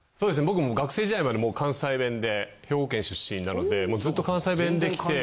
僕も学生時代まで関西弁で兵庫県出身なのでずっと関西弁できて。